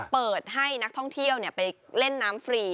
เปิดให้นักท่องเที่ยวไปเล่นน้ำฟรี